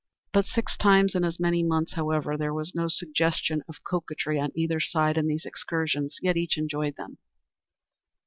But six times in as many months, however. There was no suggestion of coquetry on either side in these excursions, yet each enjoyed them.